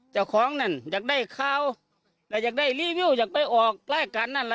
เจ้าของนั่นอยากได้ข่าวแล้วอยากได้รีวิวอยากไปออกรายการนั่นแหละ